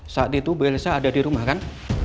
saat itu bu elsa ada di rumah kan